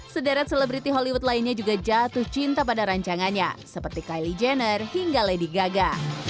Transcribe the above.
sederet selebriti hollywood lainnya juga jatuh cinta pada rancangannya seperti kylie jenner hingga lady gaga